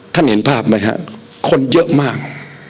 เห็นภาพไหมฮะคนเยอะมาก